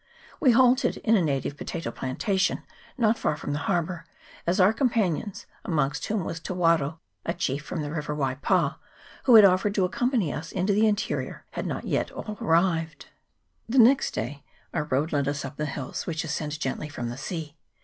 We halted in a native potato plantation, not far from the harbour, as our com panions, amongst whom was Te Waro, a chief from the river Waipa, who had offered to accompany us into the interior, had not yet all arrived. The next day our road led us up the hills, which ascend gently from the sea.